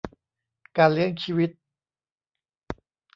การเลี้ยงชีวิต